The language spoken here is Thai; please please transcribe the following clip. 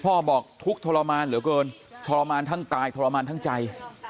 บอกทุกข์ทรมานเหลือเกินทรมานทั้งกายทรมานทั้งใจ